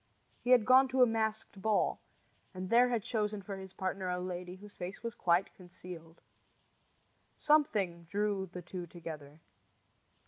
He had gone to a masked ball, and there had chosen for his partner a lady whose face was quite concealed. Something drew the two together.